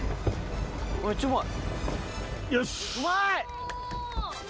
めっちゃうまい！